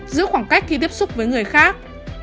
giữ khoảng cách khi tiếp xúc với người khác